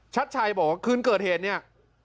ชัดชัยบอกว่าคืนเกิดเหตุเนี่ย